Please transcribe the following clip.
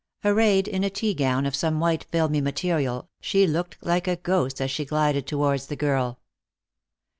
Arrayed in a tea gown of some white filmy material, she looked like a ghost as she glided towards the girl.